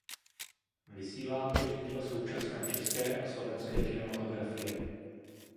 Vysílá též díla současné české a slovenské kinematografie.